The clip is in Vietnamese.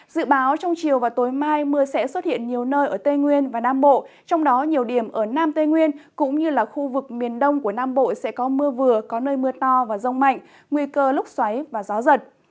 dự báo trong chiều và tối mai mưa sẽ xuất hiện nhiều nơi ở tây nguyên và nam bộ trong đó nhiều điểm ở nam tây nguyên cũng như là khu vực miền đông của nam bộ sẽ có mưa vừa có nơi mưa to và rông mạnh nguy cơ lúc xoáy và gió giật